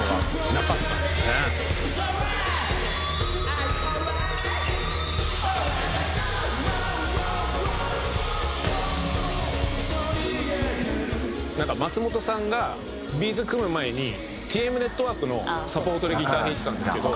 「なかったですね」なんか松本さんがＢ’ｚ組む前にＴＭＮＥＴＷＯＲＫのサポートでギター弾いてたんですけど。